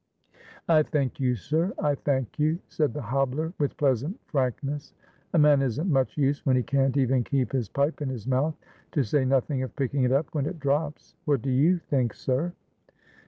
"I thank you, sir, I thank you," said the hobbler, with pleasant frankness. "A man isn't much use when he can't even keep his pipe in his mouth, to say nothing of picking it up when it drops; what do you think, sir?"